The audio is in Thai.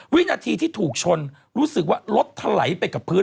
วินาทีที่ถูกชนรู้สึกว่ารถถลายไปกับพื้น